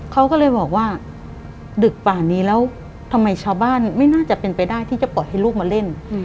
เขาก็เลยบอกว่าดึกกว่านี้แล้วทำไมชาวบ้านไม่น่าจะเป็นไปได้ที่จะปล่อยให้ลูกมาเล่น